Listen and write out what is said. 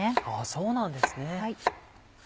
そうなんですね。